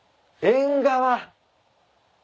縁側。